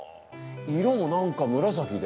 色も何か紫で。